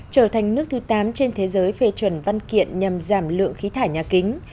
trở thành nước thứ tám trên thế giới phê chuẩn văn kiện nhằm giảm lượng khí thải nhà kính